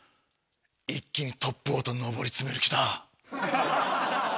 一気にトップオタ上り詰める気だ。